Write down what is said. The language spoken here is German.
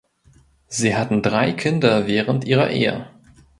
Sie hatten drei Kinder während ihrer Ehe.